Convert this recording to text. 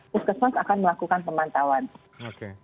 puskesmas akan melakukan pemantauan